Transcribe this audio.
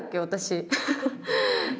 私。